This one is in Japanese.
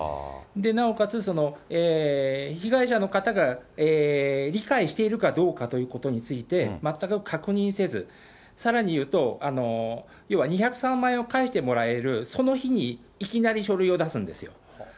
なおかつ、被害者の方が理解しているかどうかということについて、全く確認せず、さらに言うと、要は２０３万円を返してもらえるその日にいきなり書類を出すんですよ。